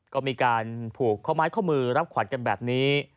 ก็มีการผูกข้อไม้ข้อมือรับขวัญกันแบบนี้